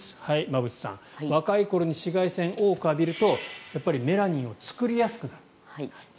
馬渕さん若い頃に紫外線を多く浴びるとやっぱりメラニンを作りやすくなる。